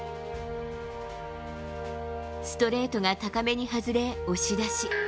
ストレートが高めに外れ押し出し。